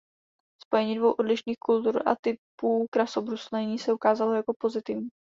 Spojení dvou odlišných kultur a typů krasobruslení se ukázalo jako pozitivní.